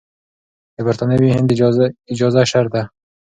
د برتانوي هند اجازه شرط ده.